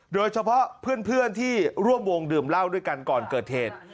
โดยเฉพาะเพื่อนที่ร่วมวงดื่มเหล้าด้วยกันก่อนเกิดเหตุ